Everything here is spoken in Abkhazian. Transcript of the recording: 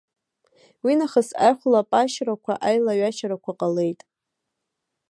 Уинахыс аихәлапашьрақәа, аилаҩашьарақәа ҟалеит.